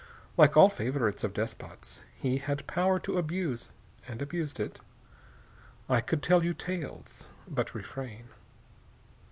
Like all favorites of despots, he had power to abuse, and abused it. I could tell you tales, but refrain."